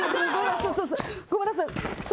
ごめんなさい！